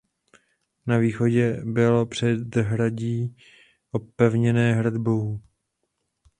Na východě bylo předhradí opevněné hradbou.